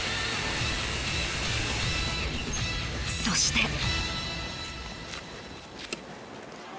そして。